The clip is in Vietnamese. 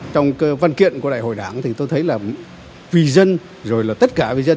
trong văn kiện của đại hội đảng thì tôi thấy là vì dân rồi là tất cả vì dân